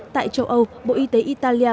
tại châu âu bộ y tế italia